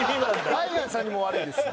ダイアンさんにも悪いですよ。